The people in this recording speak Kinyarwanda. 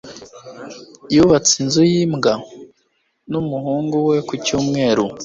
Yubatse inzu yimbwa numuhungu we kucyumweru.